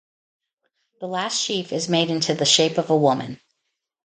The last sheaf is made into the shape of a woman.